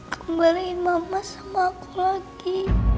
aku kembaliin mama sama aku lagi